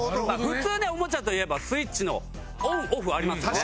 普通ねおもちゃといえばスイッチのオンオフありますよね。